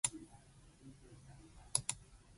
Tony Newman is featured as drummer.